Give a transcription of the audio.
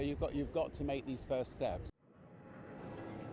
vì vậy chúng ta phải làm những bước đầu